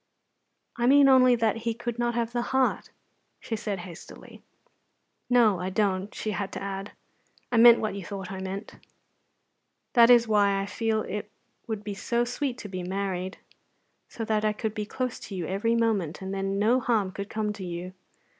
"I mean only that He could not have the heart," she said hastily. "No, I don't," she had to add. "I meant what you thought I meant. That is why I feel it would be so sweet to be married, so that I could be close to you every moment, and then no harm could come to you.